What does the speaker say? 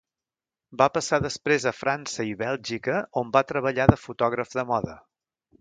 Va passar després a França i Bèlgica, on va treballar de fotògraf de moda.